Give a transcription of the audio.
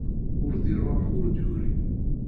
Ur d-iruḥ ur d-yuri.